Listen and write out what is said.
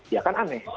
ya kan aneh